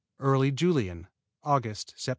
Early Julien Aug., Sept.